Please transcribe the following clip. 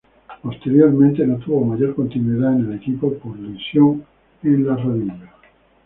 Posteriormente, no tuvo mayor continuidad en el equipo por lesión a la rodilla.